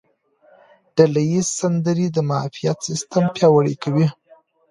ډله ییزې سندرې د معافیت سیستم پیاوړی کوي.